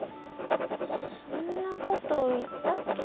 そんなこと言ったっけ？